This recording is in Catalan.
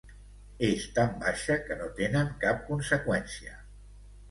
És tan baixa que no tenen cap conseqüència.